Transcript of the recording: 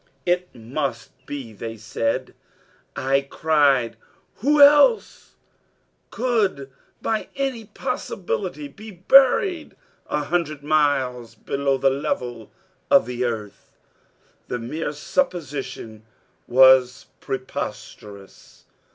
"It must be they," I cried; "who else could by any possibility be buried a hundred miles below the level of the earth?" The mere supposition was preposterous.